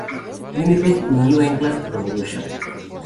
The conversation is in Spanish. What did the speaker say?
United y New England Revolution.